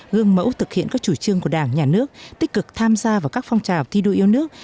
gương mẫu thực hiện các chủ trương của đảng nhà nước tích cực tham gia vào các phong trào thi đua yêu nước